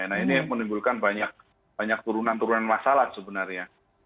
nah ini menimbulkan banyak turunan turunan masalah sebenarnya